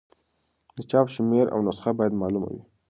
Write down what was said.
د چاپ شمېر او نسخه باید معلومه وي.